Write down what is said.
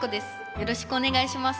よろしくお願いします。